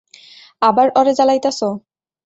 আবার অরে জালাইতাছো!